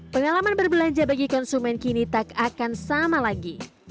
pengalaman berbelanja bagi konsumen kini tak akan sama lagi